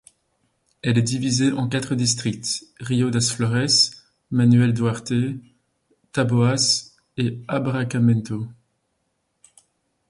Elle est divisée en quatre districts: Rio das Flores, Manuel Duarte, Taboas et Abarracamento.